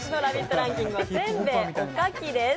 ランキングは煎餅とおかきです。